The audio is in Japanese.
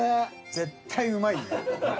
絶対うまいね。